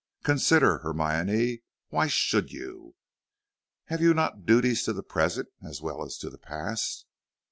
Consider, Hermione. Why should you? Have you not duties to the present, as well as to the past?